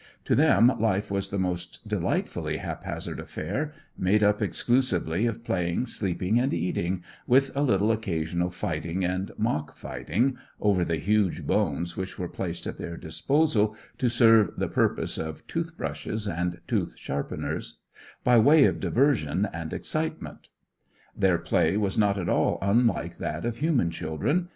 To them life was the most delightfully haphazard affair, made up exclusively of playing, sleeping, and eating, with a little occasional fighting and mock fighting (over the huge bones which were placed at their disposal to serve the purpose of tooth brushes and tooth sharpeners) by way of diversion and excitement. Their play was not at all unlike that of human children.